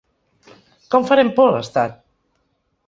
Com farem por a l’estat?